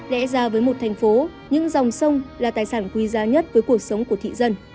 lẽ ra với một thành phố những dòng sông là tài sản quý giá nhất với cuộc sống của thị dân